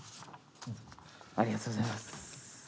ありがとうございます。